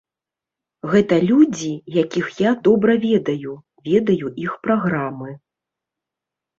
Гэта людзі, якіх я добра ведаю, ведаю іх праграмы.